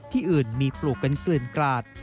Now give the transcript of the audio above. ที่อื่นมีปลูกเป็นเกลื่อนกราด